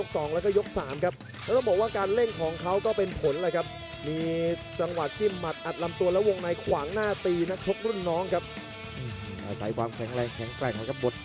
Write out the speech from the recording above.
กำลังแขนของแจกนั้นอ่อนล้าลงมาแกะขวางแล้วเสียบเนื้อเนื้อเน้นละครับ